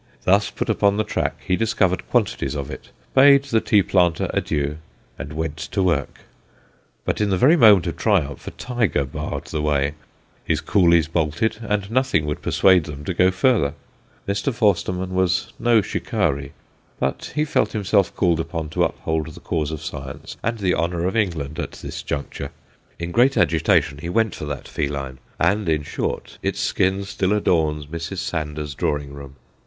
Thus put upon the track, he discovered quantities of it, bade the tea planter adieu, and went to work; but in the very moment of triumph a tiger barred the way, his coolies bolted, and nothing would persuade them to go further. Mr. Forstermann was no shikari, but he felt himself called upon to uphold the cause of science and the honour of England at this juncture. In great agitation he went for that feline, and, in short, its skin still adorns Mrs. Sander's drawing room.